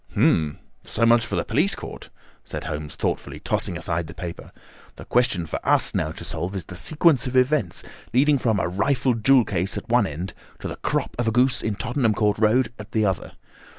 "Hum! So much for the police court," said Holmes thoughtfully, tossing aside the paper. "The question for us now to solve is the sequence of events leading from a rifled jewel case at one end to the crop of a goose in Tottenham Court Road at the other.